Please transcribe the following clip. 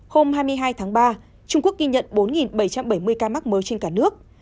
hôm hai mươi hai tháng ba trung quốc ghi nhận bốn bảy trăm bảy mươi ca mắc mới trên cả nước